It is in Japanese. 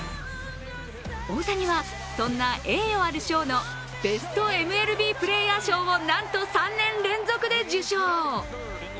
大谷は、そんな栄誉ある賞のベストＭＬＢプレーヤー賞をなんと３年連続で受賞。